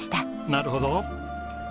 なるほど。